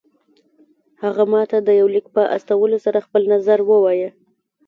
هغه ماته د يوه ليک په استولو سره خپل نظر ووايه.